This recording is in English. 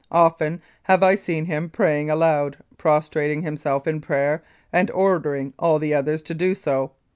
Often have I seen him praying aloud, prostrating himself in prayer, and ordering all the others to do so.